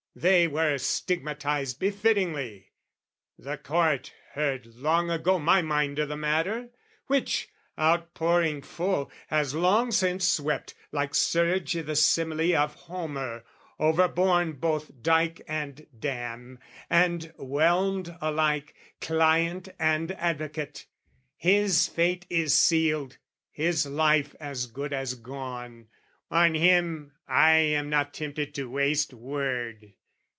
They were stigmatised Befittingly: the Court heard long ago My mind o' the matter, which, outpouring full, Has long since swept, like surge i' the simile Of Homer, overborne both dyke and dam, And whelmed alike client and advocate: His fate is sealed, his life as good as gone, On him I am not tempted to waste word.